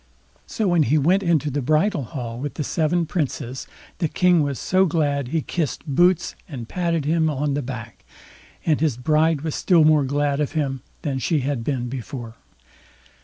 So when he went into the bridal hall with the seven princes, the King was so glad he both kissed Boots and patted him on the back, and his bride was still more glad of him than she had been before.